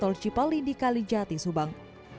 tol cipali di kalijati subang